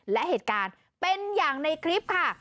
และเหตุการณ์เป็นอย่างในคลิปค่ะ